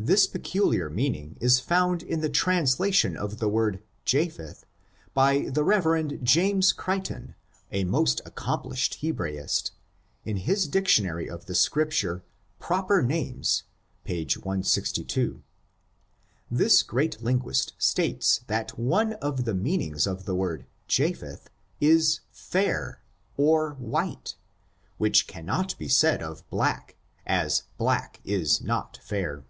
This peculiar meaning is foimd in the translation of the word Japheth, by the Rev, James Creighton^ A. B., a most accomplished Hebraist, in his Dictionary of the Scripture, proper names, p. 162. This great linguist states that one of the meanings of the word Japheth is fair, or white, which cannot be said of black, as black is not fair.